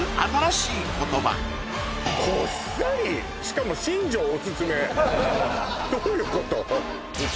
しかも新庄おすすめどういうこと？